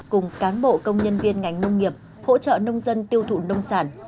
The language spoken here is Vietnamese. cùng cán bộ công nhân viên ngành nông nghiệp hỗ trợ nông dân tiêu thụ nông sản